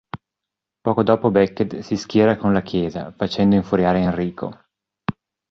Poco dopo Becket si schiera con la Chiesa, facendo infuriare Enrico.